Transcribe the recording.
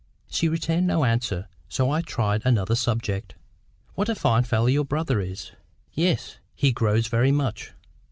She returned no answer. So I tried another subject. "What a fine fellow your brother is!" "Yes; he grows very much."